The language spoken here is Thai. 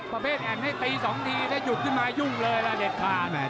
ประเภทแอ่นให้ตี๒ทีถ้าหยุดขึ้นมายุ่งเลยล่ะเด็ดขาด